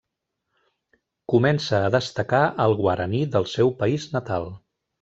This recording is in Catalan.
Comença a destacar al Guaraní del seu país natal.